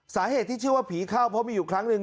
สาเหตุที่เชื่อว่าผีเข้าเพราะมีอยู่ครั้งหนึ่ง